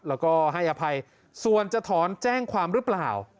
แล้วก็ให้อภัยส่วนจะถอนแจ้งความหรือเปล่า